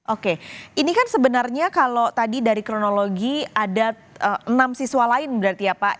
oke ini kan sebenarnya kalau tadi dari kronologi ada enam siswa lain berarti ya pak